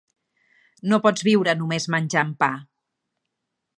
No pots viure només menjant pa.